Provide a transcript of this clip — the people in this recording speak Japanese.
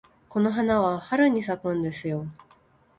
この花は春に咲くんですよ。